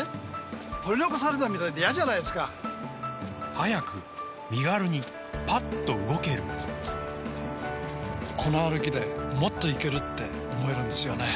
早く身軽にパッと動けるこの歩きでもっといける！って思えるんですよね